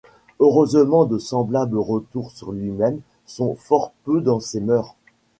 Heureusement de semblables retours sur lui-même sont fort peu dans ses mœurs.